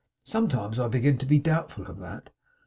Sometimes I begin to be doubtful of that.